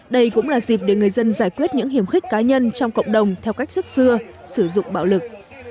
đây cũng là dịp để người dân giải quyết những hiểm khích cá nhân trong cộng đồng theo cách rất xưa sử dụng bạo lực